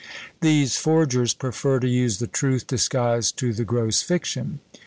These forgers prefer to use the truth disguised to the gross fiction.